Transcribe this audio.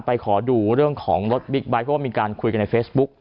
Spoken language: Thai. ขอดูเรื่องของรถบิ๊กไบท์เพราะว่ามีการคุยกันในเฟซบุ๊ก